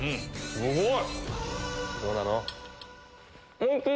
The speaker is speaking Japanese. すごい！